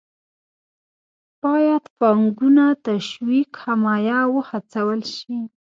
باید پانګونه تشویق، حمایه او وهڅول شي.